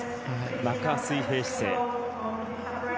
中水平姿勢。